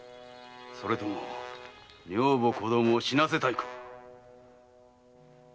それとも女房子供を死なせたいか？